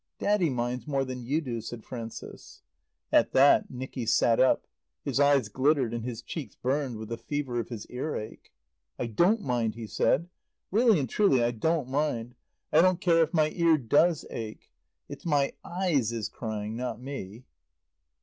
"Daddy minds more than you do," said Frances. At that Nicky sat up. His eyes glittered and his cheeks burned with the fever of his earache. "I don't mind," he said. "Really and truly I don't mind. I don't care if my ear does ache. "It's my eyes is crying, not me."